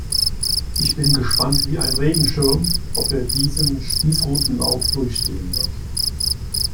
Ich bin gespannt wie ein Regenschirm, ob er diesen Spießrutenlauf durchstehen wird.